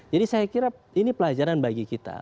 jadi saya kira ini pelajaran bagi kita